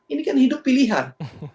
ini kan hidup pilihan